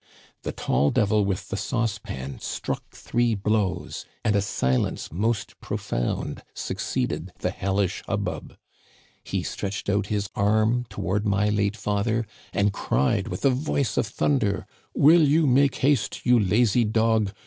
"The tall devil with the sauce pan struck three blows; and a silence most profound succeeded the hellish hubbub. He stretched out his arm toward my late father, and cried with a voice of thunder :* Will you make haste, you lazy dog